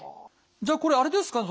じゃあこれあれですか？